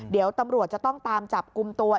เดี๋ยวตำรวจจะต้องตามจับกลุ่มตัว